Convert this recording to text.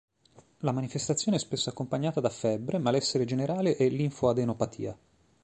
La manifestazione è spesso accompagnata da febbre, malessere generale e linfoadenopatia.